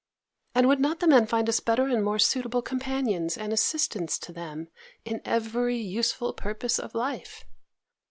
And would not the men find us better and more suitable companions and assistants to them in every useful purpose of life?